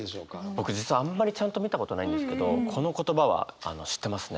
僕実はあんまりちゃんと見たことないんですけどこの言葉は知ってますね。